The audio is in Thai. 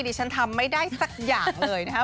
ดิฉันทำไม่ได้สักอย่างเลยนะครับ